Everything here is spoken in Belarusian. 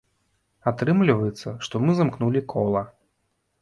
Атрымліваецца, што мы замкнулі кола.